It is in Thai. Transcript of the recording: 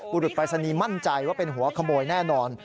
บุรุษปรายศนีย์มั่นใจว่าเป็นหัวขโมยแน่นอน